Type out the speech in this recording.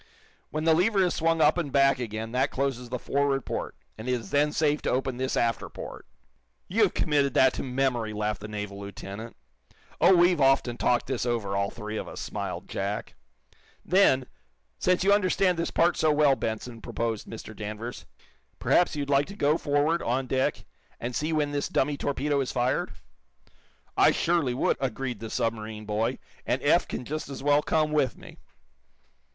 When the lever is swung up and back again that closes the forward port, and it is then safe to open this after port." "You've committed that to memory," laughed the naval lieutenant. "Oh, we've often talked this over, all three of us," smiled Jack. "Then, since you understand this part so well, Benson," proposed Mr. Danvers, "perhaps you'd like to go forward, on deck, and see when this dummy torpedo is fired?" "I surely would," agreed the submarine boy "And Eph can just as well come with me."